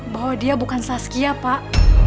bahwa dia bukan saskia pak